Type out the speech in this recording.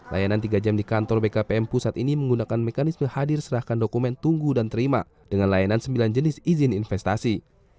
layanan tiga jam di kantor bkpm pusat ini menggunakan mekanisme hadir serahkan dokumen tunggu dan terima dengan layanan sembilan jenis izin investasi